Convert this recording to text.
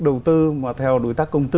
đầu tư mà theo đối tác công tư